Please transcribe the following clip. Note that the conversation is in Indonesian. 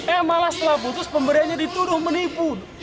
eh malah setelah putus pemberiannya dituduh menipu